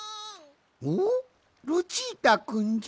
おっルチータくんじゃ！